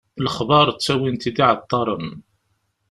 Lexbar, ttawin-t-id iεeṭṭaren.